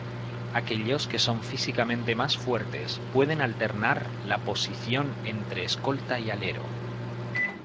Aquellos que son físicamente más fuertes pueden alternar la posición entre escolta y alero.